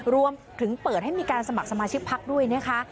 รวมถึงเปิดให้มีการสมัครสมาชิกพักด้วยนะคะ